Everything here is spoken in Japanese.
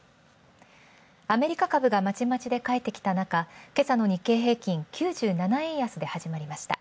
アメリカ株がまちまちで帰ってきた中、けさの日経平均、９７円安で始まりました。